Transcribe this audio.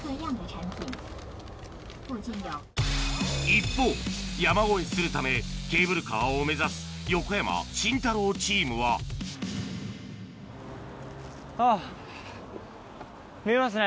一方山越えするためケーブルカーを目指す横山・慎太郎チームはあっ見えますね。